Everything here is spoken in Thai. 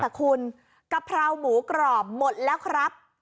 แต่คุณกะเพราหมูกรอบหมดแล้วครับ